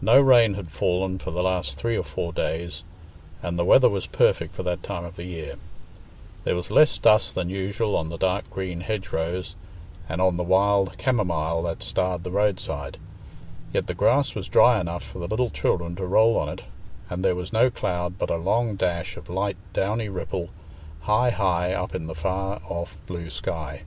No rain had fallen for the last three or four days, and the weather was perfect for that time of the year: there was less dust than usual on the dark green hedge rows and on the wild camomile that starred the roadside, yet the grass was dry enough for the little children to roll on it, and there was no cloud but a long dash of light, downy ripple, high, high up in the far off blue sky.